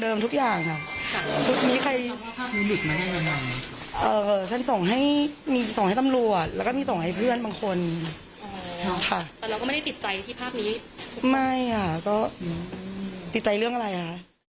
แต่เราก็ไม่ได้ติดใจที่ภาพนี้ไม่ค่ะก็ติดใจเรื่องอะไรคะ